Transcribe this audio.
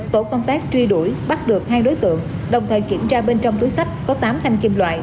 tổ công tác truy đuổi bắt được hai đối tượng đồng thời kiểm tra bên trong túi sách có tám thanh kim loại